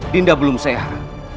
dinda belum sehat